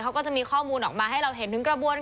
เขาก็จะมีข้อมูลออกมาให้เราเห็นถึงกระบวน